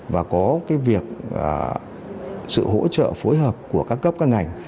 và có cái việc sự hỗ trợ phối hợp của các cấp các ngành